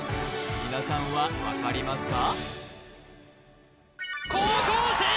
皆さんは分かりますか？